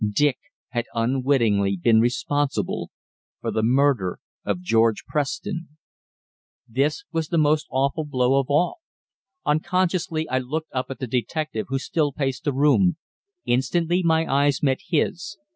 Dick had unwittingly been responsible for the murder of George Preston! This was the most awful blow of all. Unconsciously I looked up at the detective, who still paced the room. Instantly my eyes met his.